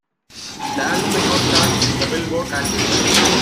The album did not chart in the "Billboard" album charts.